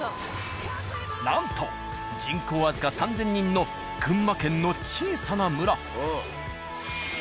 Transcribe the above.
なんと人口僅か３、０００人の群馬県の小さな村。